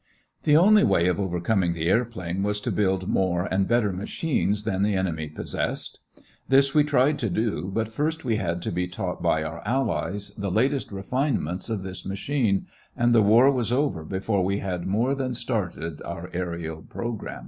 The only way of overcoming the airplane was to build more and better machines than the enemy possessed. This we tried to do, but first we had to be taught by our allies the latest refinements of this machine, and the war was over before we had more than started our aërial program.